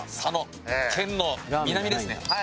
県の南ですね